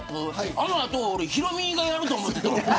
あの後俺、ヒロミがやると思ってた。